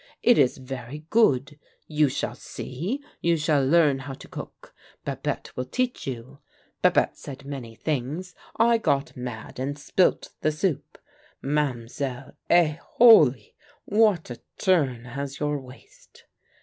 It is very good : you shall see ; you shall learn how to cook. Babette will teach you. Babette said many things. I got mad and spilt the soup. Ma'm'selle — eh, holy ! what a turn has your waist